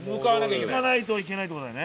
行かないといけないって事だよね。